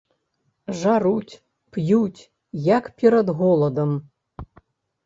Жаруць, п'юць, як перад голадам.